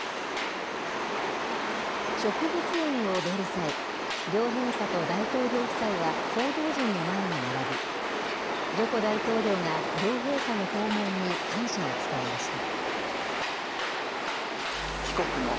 植物園を出る際、両陛下と大統領夫妻は報道陣の前に並び、ジョコ大統領が両陛下の訪問に感謝を伝えました。